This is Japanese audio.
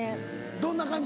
どんな感じ？